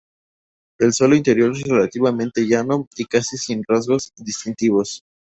El suelo interior es relativamente llano y casi sin rasgos distintivos.